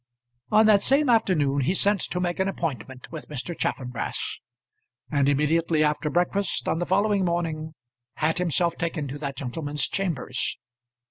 On that same afternoon he sent to make an appointment with Mr. Chaffanbrass, and immediately after breakfast, on the following morning, had himself taken to that gentleman's chambers.